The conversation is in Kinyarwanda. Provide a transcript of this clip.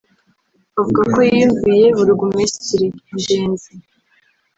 Avuga ko yiyumviye Burugumesitiri [Ngenzi]